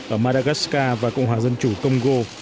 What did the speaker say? ở madagascar và cộng hòa dân chủ tông gô